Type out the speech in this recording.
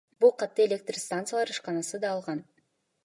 Бул катты Электр станциялар ишканасы да алган.